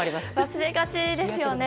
忘れがちですよね。